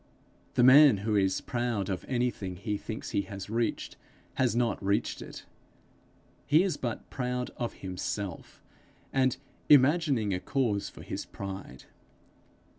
The man who is proud of anything he thinks he has reached, has not reached it. He is but proud of himself, and imagining a cause for his pride.